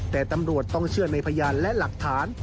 แต่ตำรวจต้องเชื่อในพยานและหลักฐาน